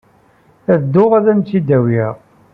Ad dduɣ ad am-t-id-awiɣ.